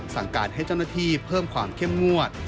สั่งการให้เจ้าหน้าที่เพิ่มความเข้มงวด